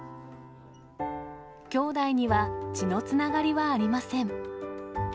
兄弟には血のつながりはありません。